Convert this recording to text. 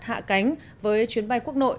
hạ cánh với chuyến bay quốc nội